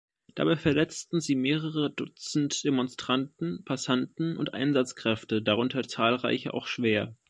Dabei verletzten sie mehrere Dutzend Demonstranten, Passanten und Einsatzkräfte, darunter zahlreiche auch schwer.